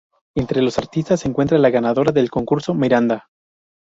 Entre los artistas se encuentra la ganadora del concurso Miranda.